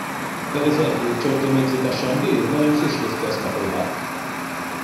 Pereżempju ċertu mezzi tax-xandir ma jimxux l-istess ma' kulħadd.